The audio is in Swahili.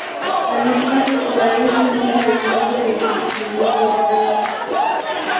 alistafu uraisi mwaka elfu moja mia tisa themanini na tano